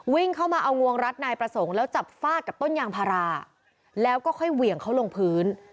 วิ่งเข้ามาเอางวงรัดนายประสงค์แล้วจับฟาดกับต้นยางพาราแล้วก็ค่อยเหวี่ยงเขาลงพื้น